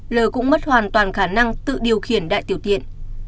lơ cũng mất hoàn toàn khả năng tự điều khiển đại tiểu tiện